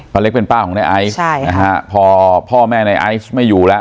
ป้าเล็กเป็นป้าของในไอซ์พอพ่อแม่ในไอซ์ไม่อยู่แล้ว